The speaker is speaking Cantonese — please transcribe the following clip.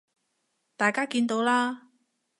大家見到啦